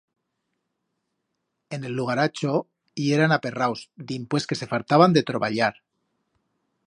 En el lugaracho yeran aperraus dimpués que se fartaban de troballar.